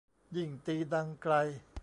ยิ่งตีดังไกล